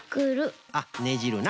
あっ「ねじる」な。